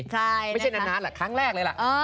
ไม่ใช่นานแหละครั้งแรกเลยล่ะ